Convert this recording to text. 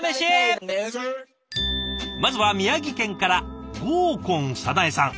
まずは宮城県から郷右近早苗さん。